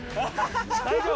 大丈夫。